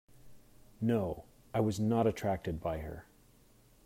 No; I was not attracted by her.